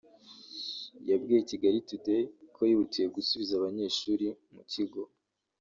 yabwiye Kigali Today ko yihutiye gusubiza abanyeshuri mu kigo